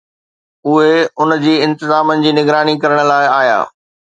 اهي ان جي انتظامن جي نگراني ڪرڻ لاء آيا